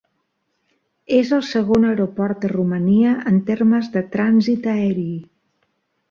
És el segon aeroport de Romania en termes de trànsit aeri.